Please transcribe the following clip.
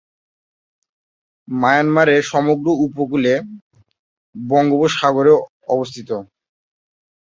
মায়ানমারের সমগ্র উপকূলে বঙ্গোপসাগরে অবস্থিত।